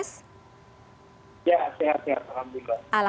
ya sehat sehat alhamdulillah